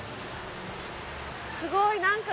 すごい！